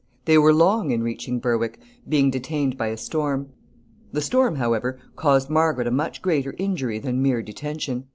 ] They were long in reaching Berwick, being detained by a storm. The storm, however, caused Margaret a much greater injury than mere detention.